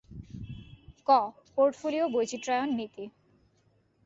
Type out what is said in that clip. ক. পোর্টফোলিও বৈচিত্র্যায়ন নীতি